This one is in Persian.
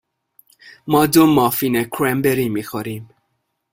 ما دو مافین کرنبری می خوریم.